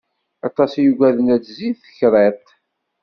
Aṭas i yugaden ad tzid tekriṭ.